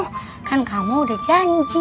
kan kamu udah janji